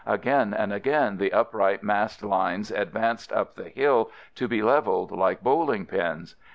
Again and again the upright massed line advanced up the hill, to be leveled like bowling pins.